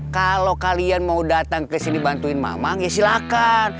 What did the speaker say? kalau kalian mau datang kesini bantuin mamang ya silakan